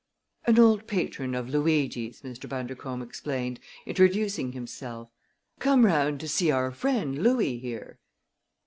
"An old patron of Luigi's," Mr. Bundercombe explained, introducing himself "come round to see our friend Louis, here."